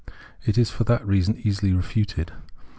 It is for that reason easily refuted.